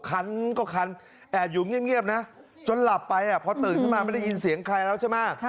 คันก็คันแอบอยู่เงียบนะจนหลับไปพอตื่นขึ้นมาไม่ได้ยินเสียงใครแล้วใช่ไหม